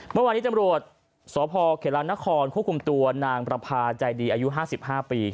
เมื่อวานนี้ตำรวจสพเขลานครควบคุมตัวนางประพาใจดีอายุ๕๕ปี